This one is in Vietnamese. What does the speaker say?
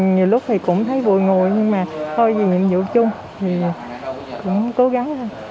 nhiều lúc thì cũng thấy vùi ngùi nhưng mà thôi vì nhiệm vụ chung thì cũng cố gắng thôi